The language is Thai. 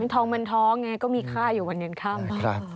ทองมันท้องไงก็มีค่าอยู่วันเย็นค่ำ